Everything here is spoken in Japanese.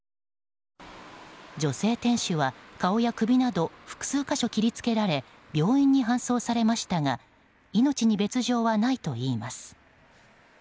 女性店主は顔や首など複数箇所、切り付けられ病院に搬送されましたが命に別状はないといいます。